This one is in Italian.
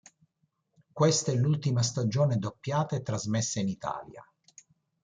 Questa è l'ultima stagione doppiata e trasmessa in Italia.